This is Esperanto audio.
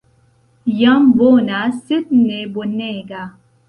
Jam bona sed ne bonega.